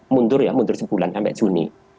mundur ya mundur sebulan sampai juni